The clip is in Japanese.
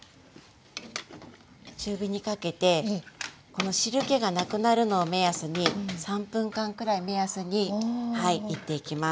中火にかけてこの汁けがなくなるのを目安に３分間くらい目安にいっていきます。